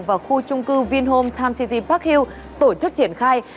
và khu trung cư vinhome time city park hill tổ chức triển khai